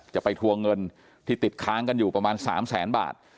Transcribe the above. ไปทวงเงินที่ติดค้างกันอยู่ประมาณ๓แสนบาท